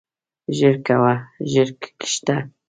ژر کوه ژر کښته شه.